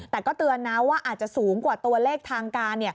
แต่ก็เตือนนะว่าอาจจะสูงกว่าตัวเลขทางการ